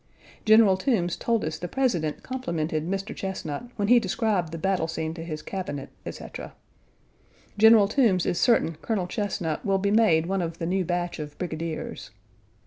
General Toombs told us the President complimented Mr. Chesnut when he described the battle scene to his Cabinet, etc. General Toombs is certain Colonel Chesnut will be made one of the new batch of brigadiers.